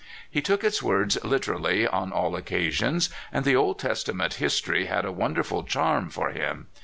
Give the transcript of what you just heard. He took its words literally on all occasions, and the Old Testament history had a wonderful charm for him.